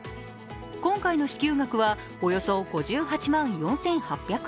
今回の支給額は、およそ５８万４８００円。